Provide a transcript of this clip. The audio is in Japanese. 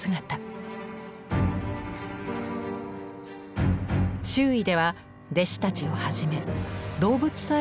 周囲では弟子たちをはじめ動物さえも嘆き悲しんでいます。